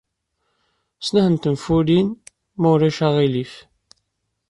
Snat n tenfulin, ma ulac aɣilif.